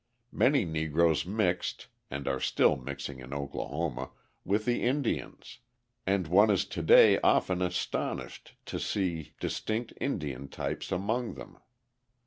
Many Negroes mixed (and are still mixing in Oklahoma) with the Indians, and one is to day often astonished to see distinct Indian types among them.